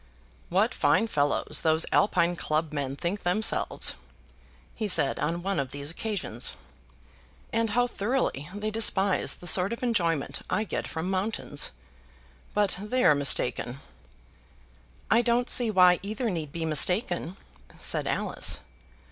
"What fine fellows those Alpine club men think themselves," he said on one of these occasions, "and how thoroughly they despise the sort of enjoyment I get from mountains. But they're mistaken." "I don't see why either need be mistaken," said Alice.